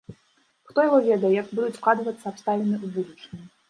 Хто яго ведае, як будуць складвацца абставіны ў будучыні.